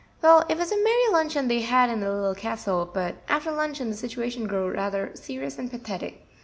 Well, it was a merry luncheon they had in the Little Castle, but after luncheon the situation grew rather serious and pathetic.